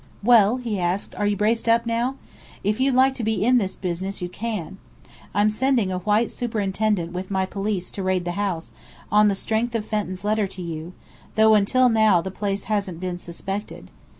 "Well," he asked, "are you braced up now? If you'd like to be in this business, you can. I'm sending a white superintendent with my police to raid the house, on the strength of Fenton's letter to you, though until now the place hasn't been suspected.